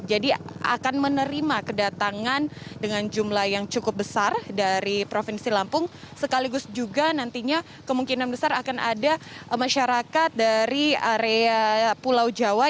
jadi akan menerima kedatangan dengan jumlah yang cukup besar dari provinsi lampung sekaligus juga nantinya kemungkinan besar akan ada masyarakat dari area pulau jawa